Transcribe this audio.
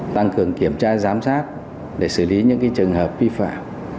tăng cường kiểm tra giám sát để xử lý những trường hợp vi phạm